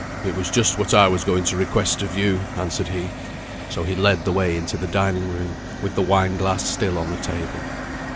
"It was just what I was going to request of you," answered he; so he led the way into the dining room, with the wine glass still on the table.